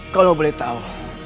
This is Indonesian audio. kalau boleh tahu